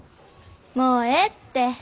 もうええって。